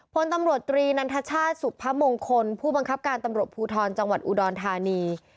พลตำรวจตรีนันทชาติสุพมงคลผู้บังคับการตำรวจภูทรจังหวัดอุดรธานี